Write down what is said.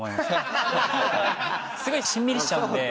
すごいしんみりしちゃうんで。